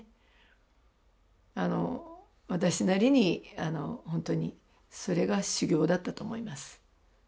あの私なりにほんとにそれが修行だったと思います。